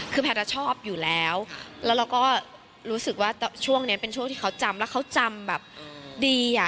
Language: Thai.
คือแพทย์ชอบอยู่แล้วแล้วเราก็รู้สึกว่าช่วงนี้เป็นช่วงที่เขาจำแล้วเขาจำแบบดีอ่ะ